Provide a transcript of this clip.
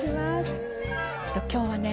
今日はね